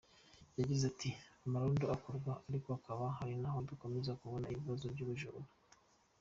Yagize ati “Amarondo arakorwa ariko hakaba aho dukomeza kubona ibibazo by’ubujura.